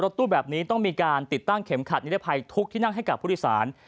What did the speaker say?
ตู้แบบนี้ต้องมีการติดตั้งเข็มขัดนิรภัยทุกที่นั่งให้กับผู้โดยสาร